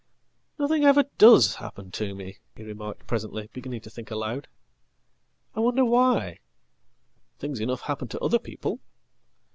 "Nothing ever does happen to me," he remarked presently, beginning tothink aloud. "I wonder why? Things enough happen to other people.